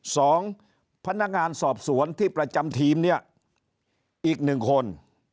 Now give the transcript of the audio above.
สองพนักงานสอบสวนที่ประจำทีมเนี่ยอีกหนึ่งคน